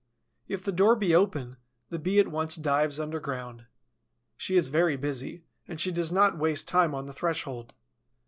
If the door be open, the Bee at once dives underground. She is very busy, and she does not waste time on the threshold.